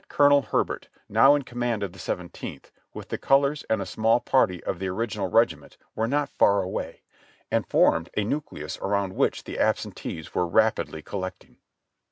Colonel Herbert, now in command of the Seventeenth, with the colors and a small party of the original regiment were not far away, and formed a nucleus around which the absentees were rapidly collecting.